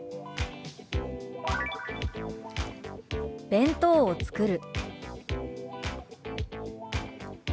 「弁当を作る」。